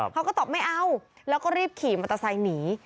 เขาก็ตอบไม่เอาแล้วก็รีบขี่มาตระสายหนี